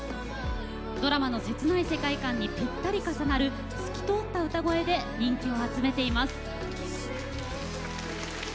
ドラマの切ない世界観にぴったりと重なる透き通った歌声で人気を集めています。